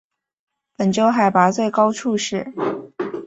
本州海拔最高处是。